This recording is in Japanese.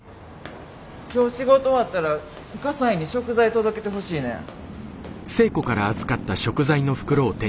今日仕事終わったら西に食材届けてほしいねん。